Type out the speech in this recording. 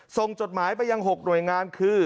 จดหมายไปยัง๖หน่วยงานคือ